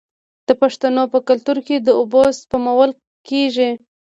د پښتنو په کلتور کې د اوبو سپمول کیږي.